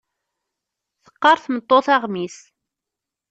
Teqqar tmeṭṭut aɣmis.